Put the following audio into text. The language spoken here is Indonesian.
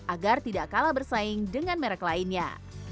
agar tidak kalah bersaing dengan merek lainnya